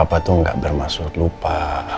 papa tuh gak bermaksud lupa